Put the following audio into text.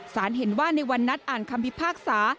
สารเห็นว่าในวันนัดอ่านคำพิพากษา